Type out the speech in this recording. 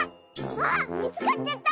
わみつかっちゃった！